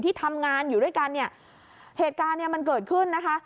ที่ทำงานอยู่ด้วยกันเนี่ยเหตุการณ์เนี่ยมันเกิดขึ้นนะคะ